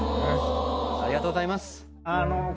ありがとうございます。